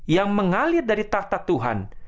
yang mengalir dari tahta tuhan